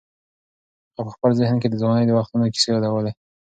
هغه په خپل ذهن کې د ځوانۍ د وختونو کیسې یادولې.